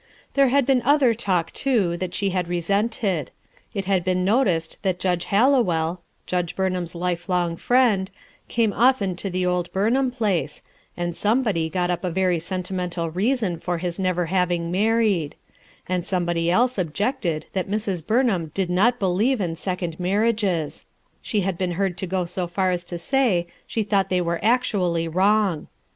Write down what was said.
There had been other talk, too, that she had resented. It had been noticed that Judge 100 RUTH ERSIONE'S SON Hallowell, Judge Burriham's lifelong friend, came often to the old Burnham place, and some body got up a very sentimental reason for hig never having married; and somebody else ob jected that ilrs Burnham did not believe in second marriages; she had been heard to go so far as to say she thought they were actually wrong.